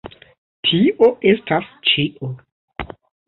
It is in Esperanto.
Tio estas ĉio